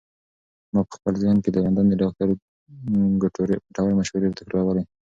ما په خپل ذهن کې د لندن د ډاکتر ګټورې مشورې تکرارولې.